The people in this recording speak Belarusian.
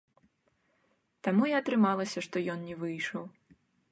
Таму і атрымалася, што ён не выйшаў.